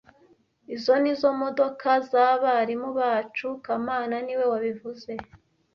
Izi nizo modoka zabarimu bacu kamana niwe wabivuze